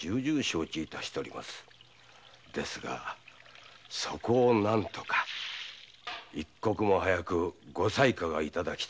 ですがそこを何とか一刻も早くご裁可が頂きたく。